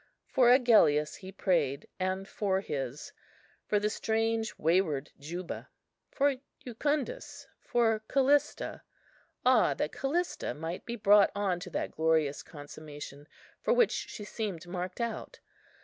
For Agellius, he prayed, and for his; for the strange wayward Juba, for Jucundus, for Callista; ah! that Callista might be brought on to that glorious consummation, for which she seemed marked out!